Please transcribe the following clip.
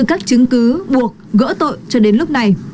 các chứng cứ buộc gỡ tội cho đến lúc này